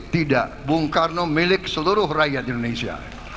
tidak bung karno milik seluruh rakyat indonesia